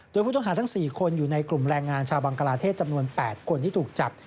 โดยผู้ต้องหาทั้ง๔คนอยู่ในกลุ่มแรงงานชาวบังกลาเทศจำนวน๘คนที่ถูกจับ